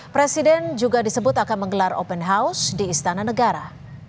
presiden juga disebut akan menggelar open house di istana negara